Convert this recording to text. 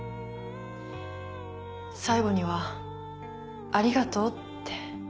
最後には「ありがとう」って。